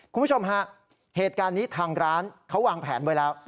คุณผู้ชมฮะเหตุการณ์นี้ทางร้านเขาวางแผนไว้แล้ว